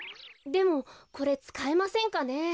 でもこれつかえませんかね。